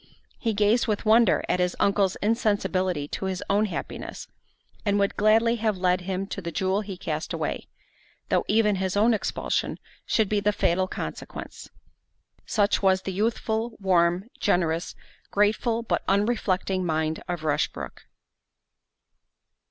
He gazed with wonder at his uncle's insensibility to his own happiness, and would gladly have led him to the jewel he cast away, though even his own expulsion should be the fatal consequence. Such was the youthful, warm, generous, grateful, but unreflecting mind of Rushbrook.